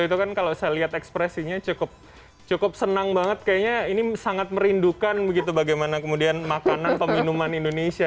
itu kan kalau saya lihat ekspresinya cukup senang banget kayaknya ini sangat merindukan begitu bagaimana kemudian makanan peminuman indonesia